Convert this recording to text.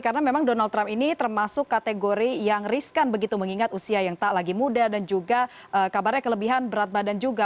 karena memang donald trump ini termasuk kategori yang riskan begitu mengingat usia yang tak lagi muda dan juga kabarnya kelebihan berat badan juga